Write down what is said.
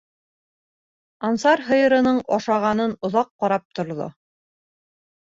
Ансар һыйырының ашағанын оҙаҡ ҡарап торҙо.